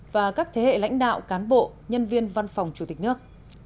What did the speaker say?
và các thế hệ lãnh đạo cán bộ nhân viên văn phòng chủ tịch nước